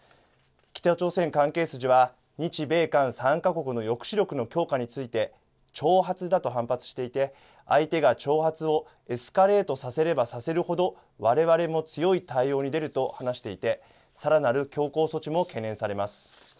北朝鮮関係筋は日米韓３か国の抑止力の強化について挑発だと反発していて、相手が挑発をエスカレートさせればさせるほど、われわれも強い対応に出ると話していてさらなる強硬措置も懸念されます。